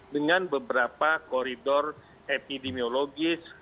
dengan beberapa koridor epidemiologis